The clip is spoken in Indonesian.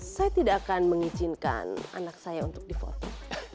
saya tidak akan mengizinkan anak saya untuk difoto